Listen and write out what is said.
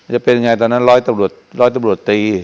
จะเป็นยังไงตอนนั้น๑๐๐ตำรวจตี